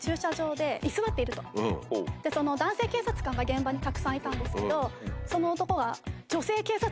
男性警察官が現場にたくさんいたんですけどその男は。